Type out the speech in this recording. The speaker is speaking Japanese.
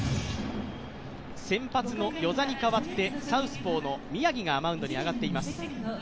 先発の與座に代わってサウスポーの宮城がマウンドに上がっています。